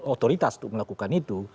otoritas untuk melakukan itu